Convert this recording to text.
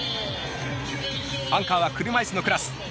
アンカーは車いすのクラス。